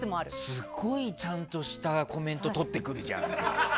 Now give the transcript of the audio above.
すごいちゃんとしたコメントとってくるじゃん。